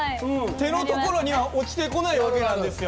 手の所には落ちてこない訳なんですよ。